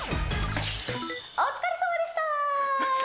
お疲れさまでした！